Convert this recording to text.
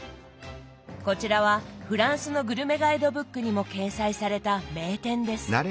こちらはフランスのグルメガイドブックにも掲載された名店です。